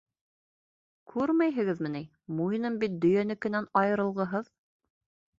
Күрмәйһегеҙме ни. муйыным бит дөйәнекенән айырылғыһыҙ.